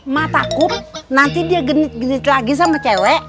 ma takut nanti dia genit genit lagi sama cewek